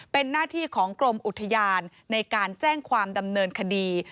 เป็นหน้าที่ของกรมอุทยานในการแจ้งความดำเนินคดี